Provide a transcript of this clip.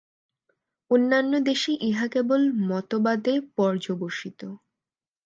অন্যান্য দেশে ইহা কেবল মতবাদে পর্যবসিত।